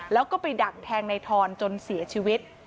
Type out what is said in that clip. แล้วก็ไปดักแทงในทอนจนเสียชีวิต